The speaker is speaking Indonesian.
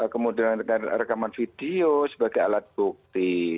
kemudian dengan rekaman video sebagai alat bukti